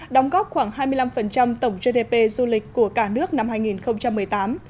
đóng góp khoảng hai mươi năm tổng gdp du lịch của cả nước năm hai nghìn một mươi tám